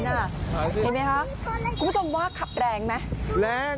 เห็นไหมคะคุณผู้ชมว่าขับแรงไหมแรง